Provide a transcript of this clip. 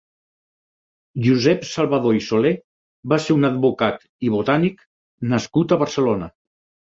Josep Salvador i Soler va ser un advocat i botànic nascut a Barcelona.